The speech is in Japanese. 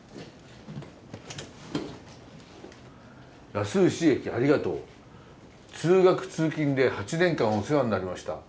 「安牛駅ありがとう通学通勤で８年間お世話になりました